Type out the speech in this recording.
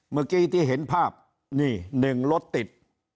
เมื่อกี้ที่เห็นภาพนี่๑รถติด